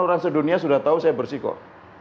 orang sedunia sudah tahu saya bersih kok